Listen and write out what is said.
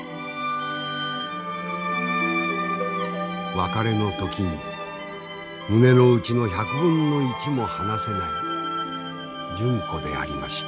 別れの時に胸の内の１００分の１も話せない純子でありました。